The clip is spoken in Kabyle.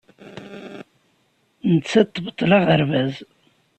Nettat tebṭel aɣerbaz.